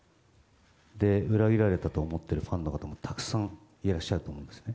裏切られたと思ってるファンの方も、たくさんいらっしゃると思うんですね。